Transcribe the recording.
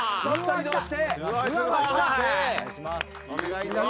お願いします。